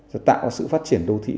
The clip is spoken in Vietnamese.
và tạo ra sự phát triển đô thị